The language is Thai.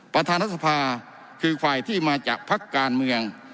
ประธานรัฐสภาคือฝ่ายที่มาจากพักการเมือง